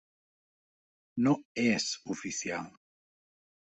No "és" oficial.